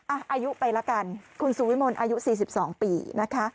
อายุไปละกันคุณสุวิมลอายุ๔๒ปีนะคะ